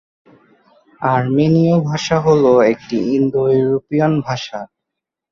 আর্মেনীয় ভাষা হল একটি ইন্দো-ইউরোপীয় ভাষা।